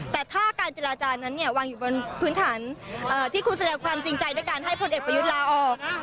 แต่ถ้าการเจรจานั้นเนี่ยวางอยู่บนพื้นฐานที่คุณแสดงความจริงใจด้วยการให้พลเอกประยุทธ์ลาออก